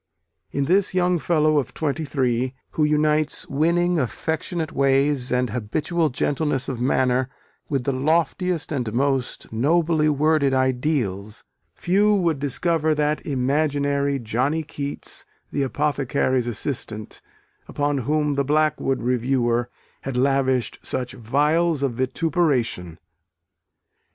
In this young fellow of twenty three, who unites winning, affectionate ways, and habitual gentleness of manner, with the loftiest and most nobly worded ideals, few would discover that imaginary "Johnny Keats, the apothecary's assistant," upon whom the Blackwood reviewer had lavished such vials of vituperation.